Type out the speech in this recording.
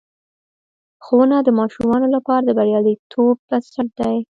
ښوونه د ماشومانو لپاره د بریالیتوب بنسټ دی.